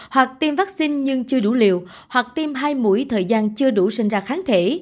hoặc tiêm vaccine nhưng chưa đủ liều hoặc tiêm hai mũi thời gian chưa đủ sinh ra kháng thể